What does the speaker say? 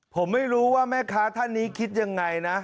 ผมไม่รู้ว่าแม่ค้าท่านนี้คิดยังไงนะ